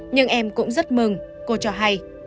nhưng em cũng rất mừng cô cho hay